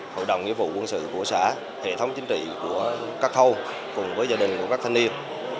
hội đồng nghĩa vụ quân sự của xã hệ thống chính trị của các khâu cùng với gia đình của các thanh niên